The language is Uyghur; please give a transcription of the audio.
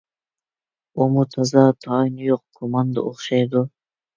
ئۇمۇ تازا تايىنى يوق كوماندا ئوخشايدۇ.